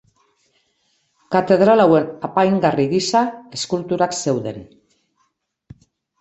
Katedral hauen apaingarri giza, eskulturak zeuden.